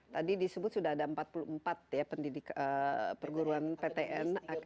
tadi disebut sudah ada empat puluh empat ya pendidik perguruan ptn